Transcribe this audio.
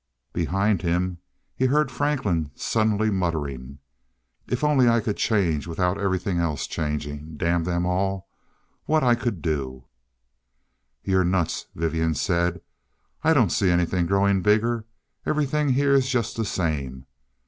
Behind him, he heard Franklin suddenly muttering, "If only I could change without everything else changing! Damn them all what I could do " "You're nuts," Vivian said. "I don't see anything growing bigger everything here jus' the same."